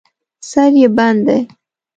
سر یې بند دی.